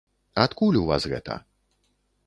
Адкуль у вас гэта?